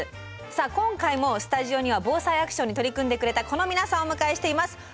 さあ今回もスタジオには「ＢＯＳＡＩアクション」に取り組んでくれたこの皆さんをお迎えしています。